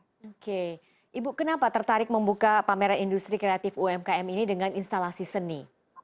oke ibu kenapa tertarik membuka pameran industri kreatif umkm ini dengan instalasi seni